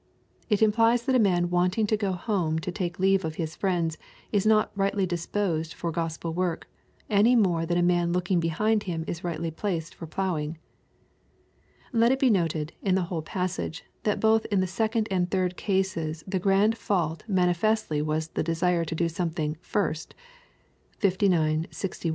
It implies that a man wanting to go home to take leave of his fiiends is not rightly disposed for Gospel work, any more than a man looking behmd him is rightly placed for plough ing. Let it be noted in the whole passage, that both in the second and third cases the grand fault manifestly was the desire to do something " first," (59, 61 versK»s) before doing Christ's work.